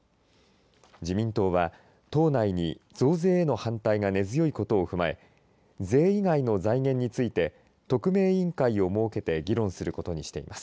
自民党は党内に増税への反対が根強いことを踏まえ税以外の財源について特命委員会を設けて議論することにしています。